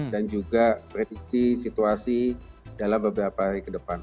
dan juga prediksi situasi dalam beberapa hari ke depan